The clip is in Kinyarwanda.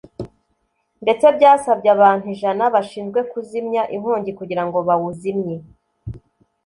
ndetse byasabye abantu ijana bashinzwe kuzimya inkongi kugira ngo bawuzimye